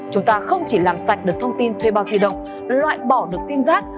chúng ta không chỉ làm sạch được thông tin thuê bao di động loại bỏ được sim giác